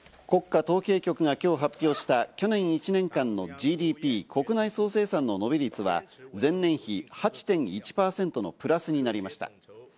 国家統計局が今日発表した去年１年間のＧＤＰ＝国内総生産の伸び率は前年比８．１％のプラスになりました。